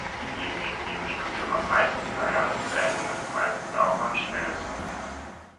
Diejenigen, die im Studium am meisten feiern, beenden es meistens auch am schnellsten.